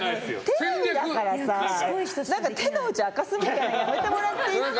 テレビだからさ手の内明かすみたいなのやめてもらっていいっすか？